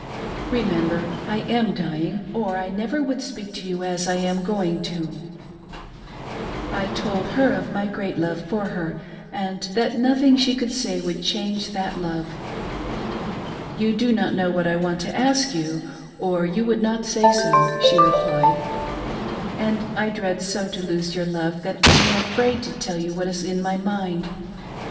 Remember, I am dying, or I never would speak to you as I am going to." I told her of my great love for her, and that nothing that she could say would change that love. "You do not know what I want to ask you, or you would not say so," she replied ; "and I so dread to lose your love that I am afraid to tell you what is in my mind.